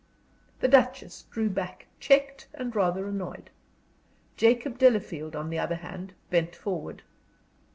The Duchess drew back, checked, and rather annoyed. Jacob Delafield, on the other hand, bent forward.